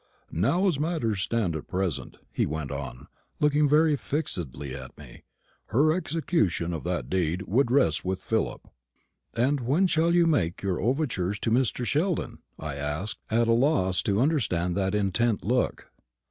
Now, as matters stand at present," he went on, looking very fixedly at me, "her execution of that deed would rest with Philip." "And when shall you make your overtures to Mr. Sheldon?" I asked, at a loss to understand that intent look.